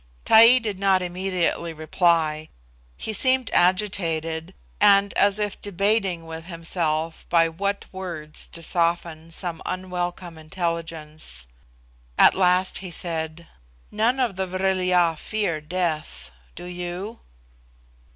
Taee did not immediately reply. He seemed agitated, and as if debating with himself by what words to soften some unwelcome intelligence. At last he said, "None of the Vril ya fear death: do you?"